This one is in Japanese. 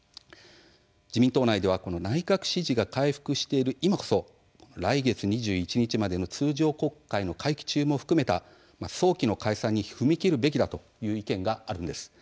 自民党内では内閣支持が回復している今こそ来月２１日までの通常国会の会期中も含めた早期の解散に踏み切るべきだという意見があるんです。